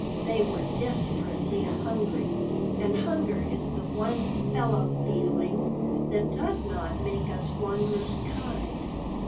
They were desperately hungry, and hunger is the one fellow feeling that does not make us wondrous kind.